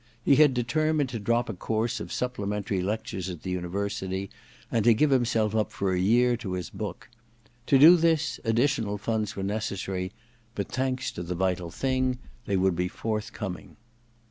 He had determined to drop a course of supple mentary lectures at the University and to give himself up for a year to his book. To do this, VI THE DESCENT OF MAN 35 additional funds were necessary ; but thanks to * The Vital Thing ' they would be forthcoming.